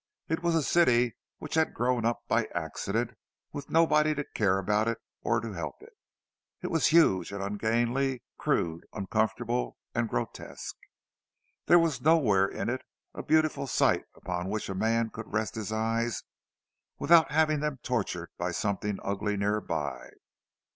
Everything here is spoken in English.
It was a city which had grown up by accident, with nobody to care about it or to help it; it was huge and ungainly, crude, uncomfortable, and grotesque. There was nowhere in it a beautiful sight upon which a man could rest his eyes, without having them tortured by something ugly near by.